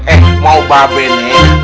eh mau mbak beng nih